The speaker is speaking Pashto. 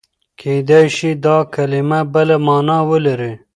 کېدای شي دا کلمه بله مانا ولري.